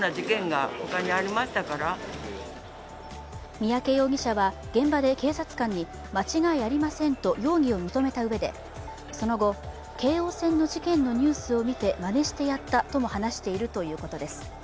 三宅容疑者は現場で警察官に間違いありませんと容疑を認めたうえでその後、京王線の事件のニュースを見てまねしてやったとも話しているということです。